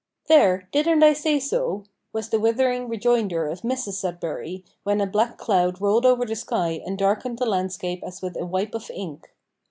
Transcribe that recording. "There, didn't I say so?" was the withering rejoinder of Mrs Sudberry, when a black cloud rolled over the sky and darkened the landscape as with a wipe of ink.